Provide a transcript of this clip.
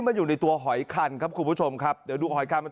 มันอยู่ในตัวหอยคันครับคุณผู้ชมครับเดี๋ยวดูหอยคัน